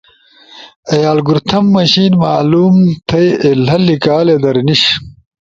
ای الگورتھم مشین معلوم تھئی ایلی لیکالی در نیِش۔